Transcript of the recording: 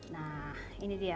nah ini dia